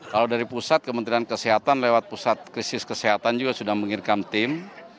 kalau dari pusat kementerian kesehatan lewat pusat krisis kesehatan juga sudah mengirimkan tim